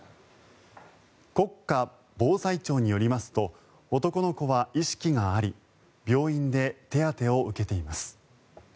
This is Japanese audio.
国家防災庁によりますと男の子は意識があり病院で手当てを受けています。